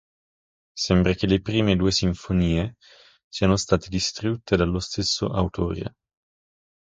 Sembra che le prime due sinfonie siano state distrutte dallo stesso autore.